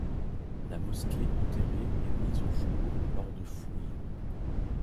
La mosquée enterrée est mise au jour lors de fouilles.